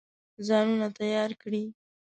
ځانونه تیار کړي.